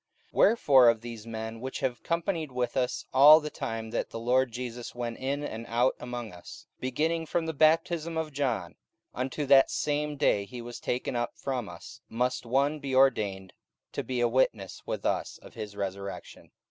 44:001:021 Wherefore of these men which have companied with us all the time that the Lord Jesus went in and out among us, 44:001:022 Beginning from the baptism of John, unto that same day that he was taken up from us, must one be ordained to be a witness with us of his resurrection.